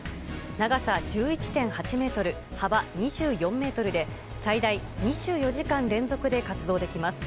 長さ１１．８ｍ、幅２４ｍで最大２４時間連続で活動できます。